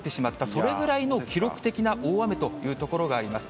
それぐらいの記録的な大雨という所があります。